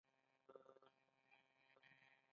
دښته د غرور ځای نه دی.